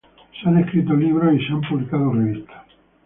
Se han escrito libros y se han publicado revistas.